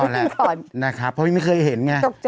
เหี้ยน